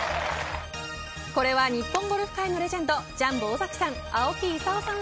これは日本ゴルフ界のレジェンド、ジャンボ尾崎さん